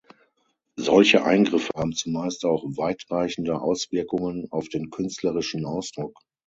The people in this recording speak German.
Solche Eingriffe haben zumeist auch weitreichende Auswirkungen auf den künstlerischen Ausdruck.